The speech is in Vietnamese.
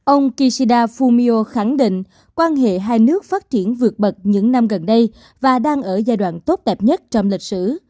ông kishida fumio khẳng định quan hệ hai nước phát triển vượt bậc những năm gần đây và đang ở giai đoạn tốt đẹp nhất trong lịch sử